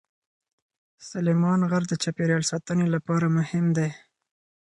سلیمان غر د چاپیریال ساتنې لپاره مهم دی.